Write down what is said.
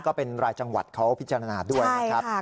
ก็เป็นรายจังหวัดเขาพิจารณาด้วยนะครับ